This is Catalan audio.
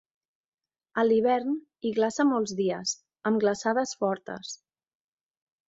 A l'hivern, hi glaça molts dies, amb glaçades fortes.